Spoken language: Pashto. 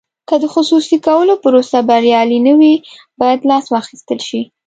که د خصوصي کولو پروسه بریالۍ نه وي باید لاس واخیستل شي.